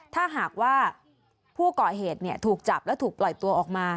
ถ้าหากว่าผู้ก่อเหตุถูกจับและถูกปล่อยตัวออกมา